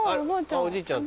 おじいちゃんと。